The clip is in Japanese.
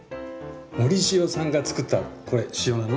盛塩さんが作ったこれ塩なの？